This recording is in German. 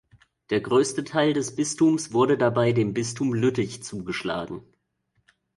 Der größte Teil des Bistums wurde dabei dem Bistum Lüttich zugeschlagen.